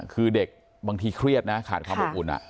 คือเด็กบางทีเครียดนะขาดความอบอุ่น